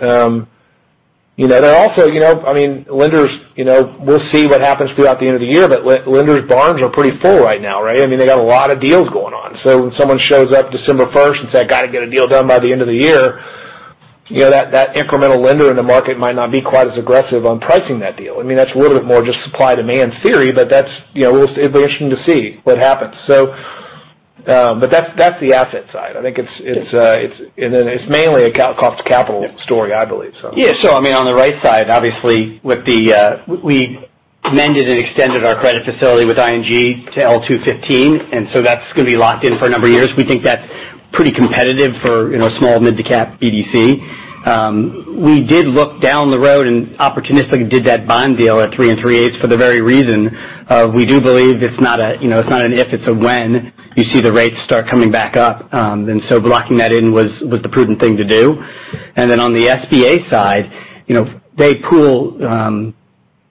You know, also, you know, I mean, lenders, you know, we'll see what happens throughout the end of the year, but lenders' barns are pretty full right now, right? I mean, they got a lot of deals going on. When someone shows up December first and say, "I gotta get a deal done by the end of the year," you know, that incremental lender in the market might not be quite as aggressive on pricing that deal. I mean, that's a little bit more just supply and demand theory, but that's, you know, we'll be interested to see what happens. But that's the asset side. I think it's mainly a cost of capital story, I believe so. Yeah. I mean, on the right side, obviously, with the we amended and extended our credit facility with ING to L + 2.15%, and so that's gonna be locked in for a number of years. We think that's pretty competitive for, you know, small mid-to-cap BDC. We did look down the road and opportunistically did that bond deal at 3.375% for the very reason of we do believe it's not a, you know, it's not an if, it's a when you see the rates start coming back up. And so blocking that in was the prudent thing to do. Then on the SBA side, you know, they pool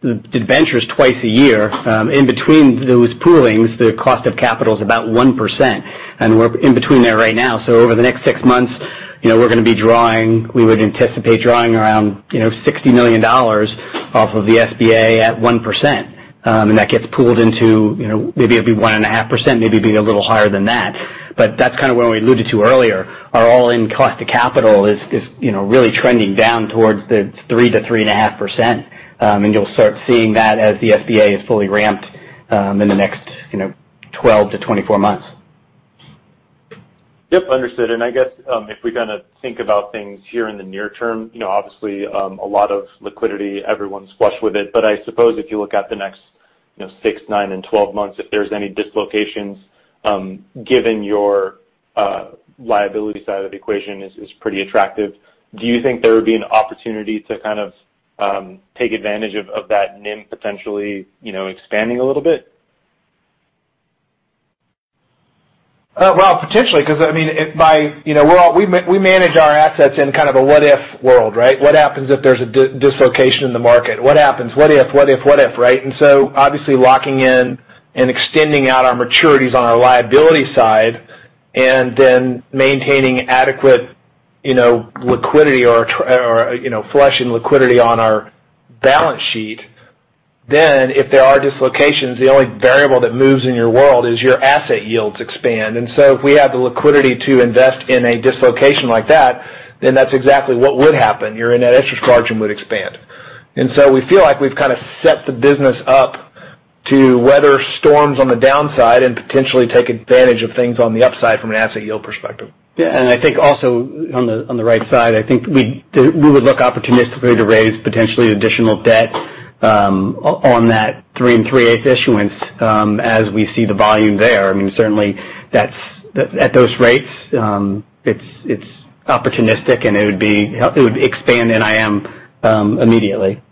the debentures twice a year. In between those poolings, the cost of capital is about 1%, and we're in between there right now. Over the next six months, you know, we would anticipate drawing around, you know, $60 million off of the SBA at 1%. That gets pooled into, you know, maybe it'll be 1.5%, maybe be a little higher than that. That's kind of what we alluded to earlier. Our all-in cost of capital is, you know, really trending down towards the 3%-3.5%. You'll start seeing that as the SBA is fully ramped in the next, you know, 12-24 months. Yep, understood. I guess, if we kinda think about things here in the near term, you know, obviously, a lot of liquidity, everyone's flush with it. I suppose if you look at the next, you know, six, nine, and 12 months, if there's any dislocations, given your liability side of the equation is pretty attractive. Do you think there would be an opportunity to kind of take advantage of that NIM potentially, you know, expanding a little bit? Well, potentially, 'cause I mean, by, you know, we manage our assets in kind of a what if world, right? What happens if there's a dislocation in the market? What happens? What if? What if? What if, right? Obviously locking in and extending out our maturities on our liability side and then maintaining adequate, you know, liquidity or, you know, flexible liquidity on our balance sheet, then if there are dislocations, the only variable that moves in your world is your asset yields expand. If we have the liquidity to invest in a dislocation like that, then that's exactly what would happen. Your net interest margin would expand. We feel like we've kinda set the business up to weather storms on the downside and potentially take advantage of things on the upside from an asset yield perspective. Yeah. I think also on the right side, I think we would look opportunistically to raise potentially additional debt, on that 3.375% issuance, as we see the volume there. I mean, certainly that's at those rates, it's opportunistic, and it would expand NIM, immediately.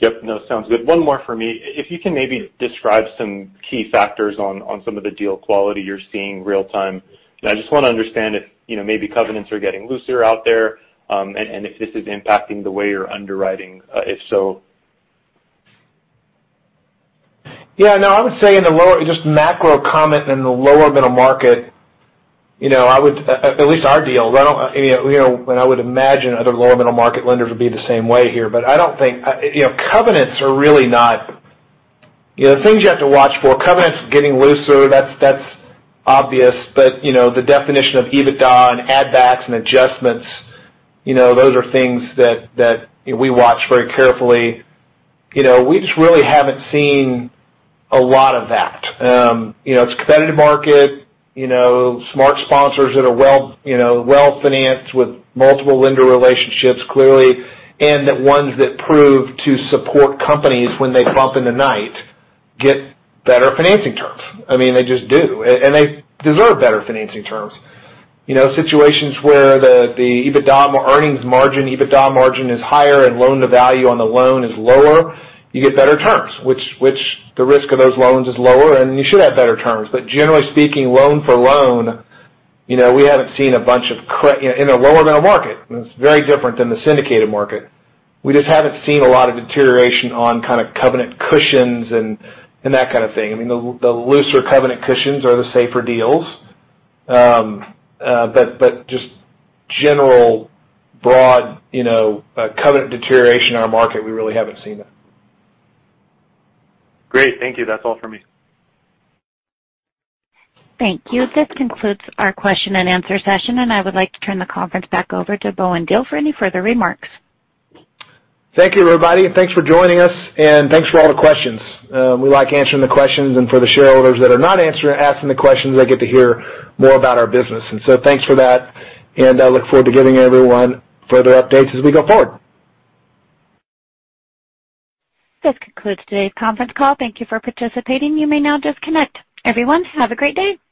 Yep. No, sounds good. One more for me. If you can maybe describe some key factors on some of the deal quality you're seeing real time. I just wanna understand if, you know, maybe covenants are getting looser out there, and if this is impacting the way you're underwriting, if so. Yeah, no, just a macro comment in the lower middle market. You know, I would say at least our deals. I don't know, I would imagine other lower middle market lenders would be the same way here. I don't think covenants are really the things you have to watch for. Covenants getting looser, that's obvious. The definition of EBITDA and add backs and adjustments, those are things that we watch very carefully. You know, we just really haven't seen a lot of that. You know, it's a competitive market, smart sponsors that are well financed with multiple lender relationships, clearly, and the ones that prove to support companies when they bump in the night get better financing terms. I mean, they just do. They deserve better financing terms. You know, situations where the EBITDA earnings margin, EBITDA margin is higher and loan-to-value on the loan is lower, you get better terms, which the risk of those loans is lower, and you should have better terms. Generally speaking, loan for loan, you know, we haven't seen a bunch of. In a lower middle market, and it's very different than the syndicated market, we just haven't seen a lot of deterioration on kind of covenant cushions and that kind of thing. I mean, the looser covenant cushions are the safer deals. But just generally broad, you know, covenant deterioration in our market, we really haven't seen it. Great. Thank you. That's all for me. Thank you. This concludes our question and answer session, and I would like to turn the conference back over to Bowen Diehl for any further remarks. Thank you, everybody, and thanks for joining us, and thanks for all the questions. We like answering the questions. For the shareholders that are not asking the questions, they get to hear more about our business. Thanks for that, and I look forward to giving everyone further updates as we go forward. This concludes today's conference call. Thank you for participating. You may now disconnect. Everyone, have a great day.